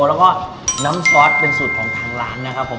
แล้วก็น้ำซอสเป็นสูตรของทางร้านนะครับผม